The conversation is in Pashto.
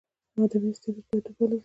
ادبي استعداد باید وپالل سي.